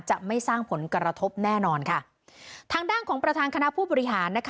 ไม่สร้างผลกระทบแน่นอนค่ะทางด้านของประธานคณะผู้บริหารนะคะ